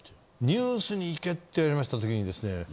ニュースに行けって言われました時にですね